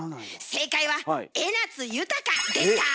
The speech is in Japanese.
正解は江夏豊でした。